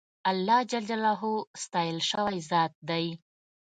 اللهﷻ ستایل سوی ذات دی.